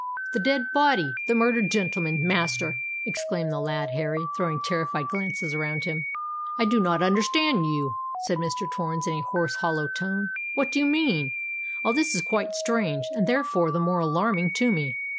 "The dead body—the murdered gentleman, master!" exclaimed the lad Harry, throwing terrified glances around him. "I do not understand you!" said Mr. Torrens, in a hoarse hollow tone: "what do you mean? All this is quite strange—and therefore the more alarming to me."